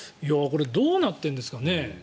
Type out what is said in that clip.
これどうなってるんですかね。